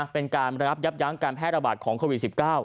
เป็นการระยับยับยั้งการแพร่ระบาดของโควิด๑๙